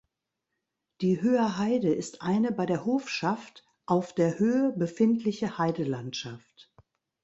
Die Höher Heide ist eine bei der Hofschaft (Aufder)höhe befindliche Heidelandschaft.